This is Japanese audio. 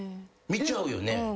見ちゃうよね？